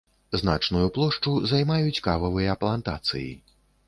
Значную плошчу займаюць кававыя плантацыі.